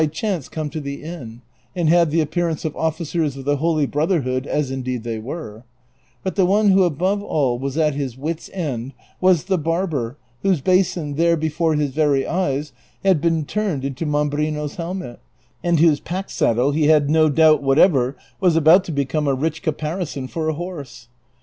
chance come to the inn, and had the appearance of officers of the Holy Brotherhood, as indeed they were ; but the one who above all was at his wits' end was the barber whose basin, there before his very eyes, had been tnrned into Mambrino's helmet, and whose pack saddle, he had no doubt whatever w^as about to become a rich caparison for a horse.